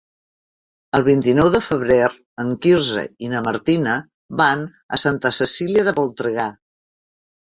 El vint-i-nou de febrer en Quirze i na Martina van a Santa Cecília de Voltregà.